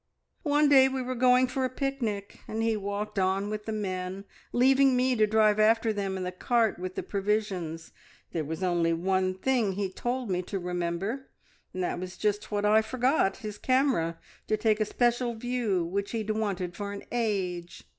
"One day we were going for a picnic, and he walked on with the men, leaving me to drive after them in the cart with the provisions. There was only one thing he told me to remember, and that was just what I forgot his camera, to take a special view which he'd wanted for an age.